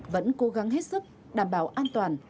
vẫn cố gắng hết sức đảm bảo an toàn